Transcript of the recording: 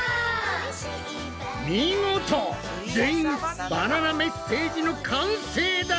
見事全員バナナメッセージの完成だ！